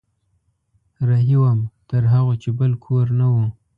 رهي وم تر هغو چې بل کور نه و